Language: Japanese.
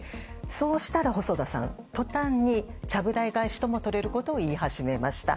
そうしたら細田さん途端に、ちゃぶ台返しとも取れることを言い始めました。